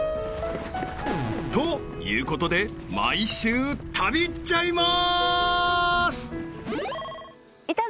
［ということで毎週旅っちゃいます！］